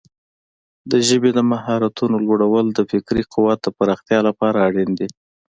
د ژبې د مهارتونو لوړول د فکري قوت د پراختیا لپاره اړین دي.